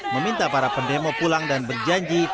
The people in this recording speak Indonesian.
meminta para pendemo pulang dan berjanji